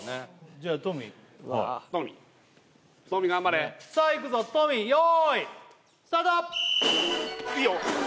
じゃあトミーはいトミートミー頑張れさあいくぞトミー用意スタートいいよ